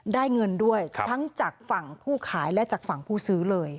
ได้เงินด้วยทั้งจากฝั่งผู้ขายและจากฝั่งผู้ซื้อเลย